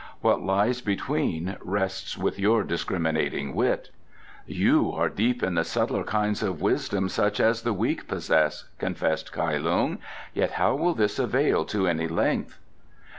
What lies between rests with your discriminating wit." "You are deep in the subtler kinds of wisdom, such as the weak possess," confessed Kai Lung. "Yet how will this avail to any length?"